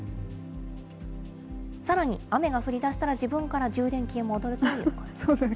さらに、雨が降りだしたら、自分から充電器へ戻るといいます。